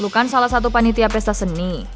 lo kan salah satu panitia pesta seni